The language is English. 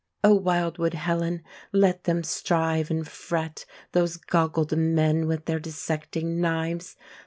O wildwood Helen, let them strive and fret, Those goggled men with their dissecting knives!